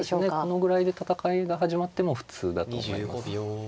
このぐらいで戦いが始まっても普通だと思います。